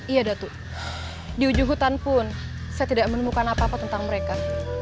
iya datu di ujung hutan pun saya tidak menemukan apa apa tentang mereka